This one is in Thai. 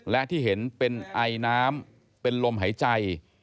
และที่เห็นเป็นไอน้ำเป็นลมหายใจ